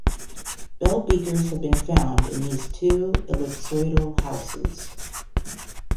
Bell beakers have been found in two of these ellipsoidal houses.